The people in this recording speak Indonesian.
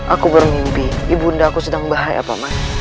aku baru mimpi ibu nda aku sedang bahaya pak man